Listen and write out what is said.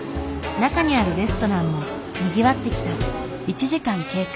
中にあるレストランもにぎわってきた。